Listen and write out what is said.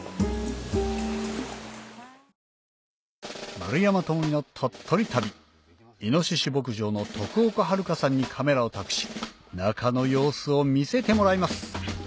丸山智己の鳥取旅猪牧場の徳岡遥さんにカメラを託し中の様子を見せてもらいます